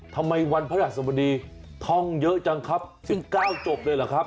ทำไมวันพระธรรมดีท่องเยอะจังครับสิบเก้าจบเลยเหรอครับ